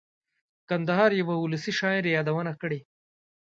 کندهار یوه اولسي شاعر یې یادونه کړې.